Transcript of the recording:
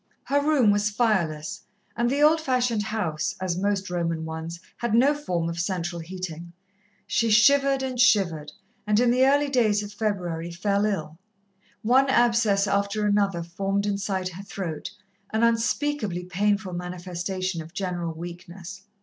Her room was fireless, and the old fashioned house, as most Roman ones, had no form of central heating. She shivered and shivered, and in the early days of February fell ill. One abscess after another formed inside her throat, an unspeakably painful manifestation of general weakness.